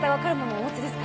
お持ちですか？